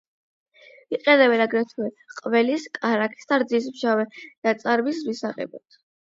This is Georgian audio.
იყენებენ აგრეთვე ყველის, კარაქის და რძის მჟავე ნაწარმის მისაღებად.